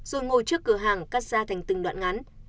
rồi ngồi trước cửa hàng cắt ra thành từng đoạn ngắn